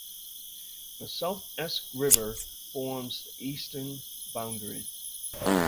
The South Esk River forms the eastern boundary.